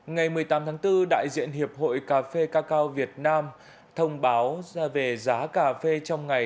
ngày một mươi tám tháng bốn đại diện hiệp hội cà phê cacao việt nam thông báo ra về giá cà phê trong ngày